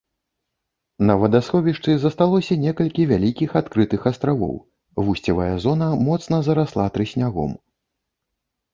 На вадасховішчы засталося некалькі вялікіх адкрытых астравоў, вусцевая зона моцна зарасла трыснягом.